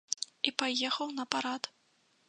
І паехаў на парад.